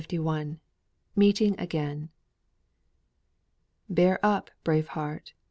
MEETING AGAIN. "Bear up, brave heart!